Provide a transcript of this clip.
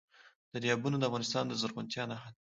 دریابونه د افغانستان د زرغونتیا نښه ده.